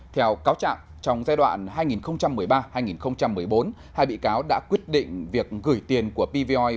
theo cáo trạng trong giai đoạn hai nghìn một mươi ba hai nghìn một mươi bốn hai bị cáo đã quyết định việc gửi tiền của pvoi